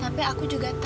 tapi aku juga tau